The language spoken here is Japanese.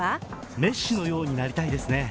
メッシのようになりたいですね。